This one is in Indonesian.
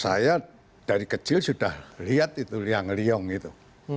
saya dari kecil sudah lihat itu liang liang itu